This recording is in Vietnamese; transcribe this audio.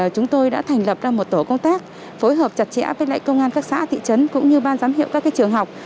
chúng tôi đã thành lập ra một tổ công tác phối hợp chặt chẽ với công an các xã thị trấn cũng như ban giám hiệu các trường học